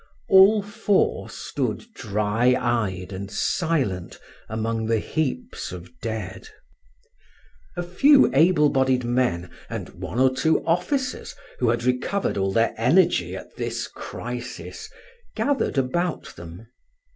All four stood dry eyed and silent among the heaps of dead. A few able bodied men and one or two officers, who had recovered all their energy at this crisis, gathered about them.